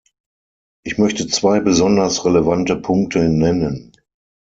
Ich möchte zwei besonders relevante Punkte nennen.